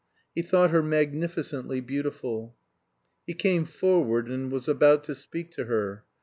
He thought her magnificently beautiful. He came forward and was about to speak to her.